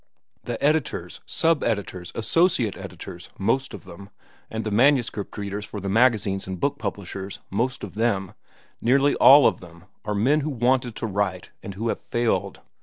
The editors, sub editors, associate editors, most of them, and the manuscript readers for the magazines and book publishers, most of them, nearly all of them, are men who wanted to write and who have failed.